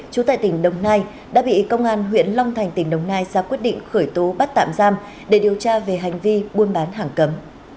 chú tại tỉnh đồng nai đã bị công an huyện long thành tỉnh đồng nai ra quyết định khởi tố bắt tạm giam để điều tra về hành vi buôn bán hàng cầm